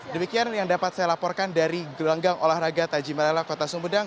demikian yang dapat saya laporkan dari gelanggang olahraga tajimala kota sumedang